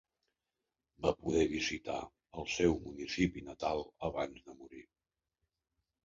Va poder visitar al seu municipi natal abans de morir?